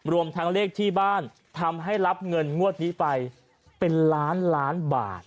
รวมทั้งเลขที่บ้านทำให้รับเงินงวดนี้ไปเป็นล้านล้านบาท